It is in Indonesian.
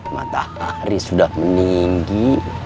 matahari sudah meninggi